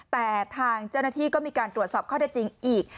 แต่ทางเจ้าหน้าที่ก็มีการตรวจสอบข้อได้จริงอีก